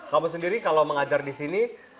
kamu sendiri kalau mengajar di sini